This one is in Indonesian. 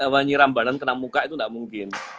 menyiram badan kena muka itu tidak mungkin